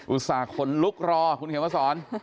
อุตส่าห์ขนลุกรอคุณเขียนมาสอน